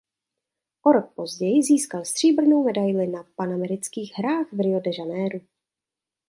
O rok později získal stříbrnou medaili na Panamerických hrách v Rio de Janeiru.